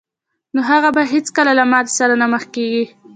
نو هغه به هېڅکله له ماتې سره نه مخ کېږي